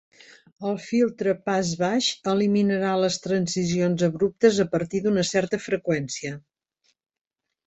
El filtre pas baix eliminarà les transicions abruptes a partir d'una certa freqüència.